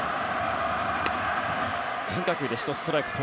変化球で１つストライク。